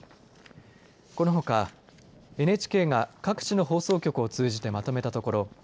このほかＮＨＫが各地の放送局を通じてまとめたところ